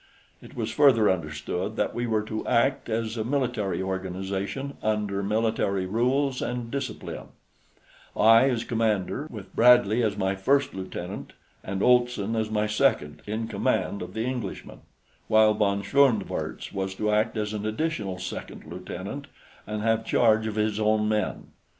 It was further understood that we were to act as a military organization under military rules and discipline I as commander, with Bradley as my first lieutenant and Olson as my second, in command of the Englishmen; while von Schoenvorts was to act as an additional second lieutenant and have charge of his own men.